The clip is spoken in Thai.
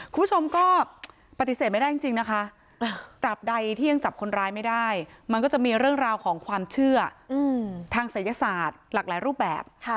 คุณผู้ชมก็ปฏิเสธไม่ได้จริงนะคะตราบใดที่ยังจับคนร้ายไม่ได้มันก็จะมีเรื่องราวของความเชื่อทางศัยศาสตร์หลากหลายรูปแบบ